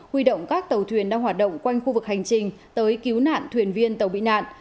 huy động các tàu thuyền đang hoạt động quanh khu vực hành trình tới cứu nạn thuyền viên tàu bị nạn